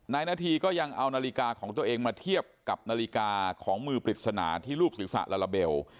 นาทีก็ยังเอานาฬิกาของตัวเองมาเทียบกับนาฬิกาของมือปริศนาที่รูปศีรษะลาลาเบล